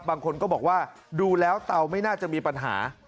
บางคนก็บอกว่าดูแล้วเตาไม่น่าจะมีปัญหา